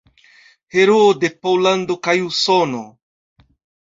Heroo de Pollando kaj Usono.